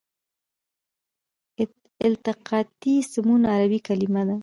التقاطي سمون عربي کلمه ده.